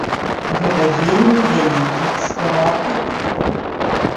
Гэта вельмі вялікі стэрэатып.